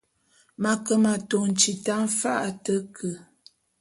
M’ ake m’atôn tita mfa’a a te ke.